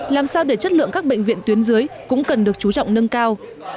làm sao để chất lượng các bệnh viện tuyến dưới cũng cần được chú trọng nâng cao